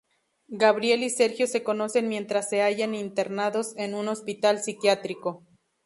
Gabriel y Sergio se conocen mientras se hallan internados en un hospital psiquiátrico.